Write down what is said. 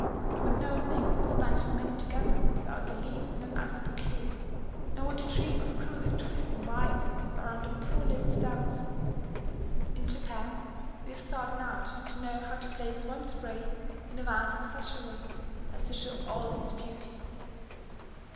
They would never think of bunching many together without their leaves in an ugly bouquet, nor would they dream of cruelly twisting wires around their poor little stems. In Japan it is thought an art to know how to place one spray in a vase in such a way as to show all its beauty.